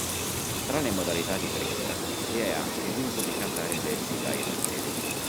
Tra le modalità di preghiera vi è anche l'uso di cantare versi dai Vangeli.